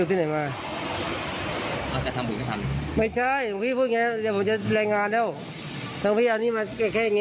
พี่พูดอย่างเนี่ย